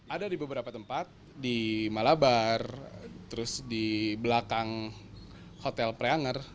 ada di beberapa tempat di malabar terus di belakang hotel preanger